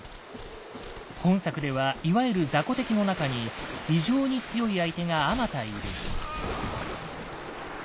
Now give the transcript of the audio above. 本作ではいわゆる雑魚敵の中に非常に強い相手があまたいる。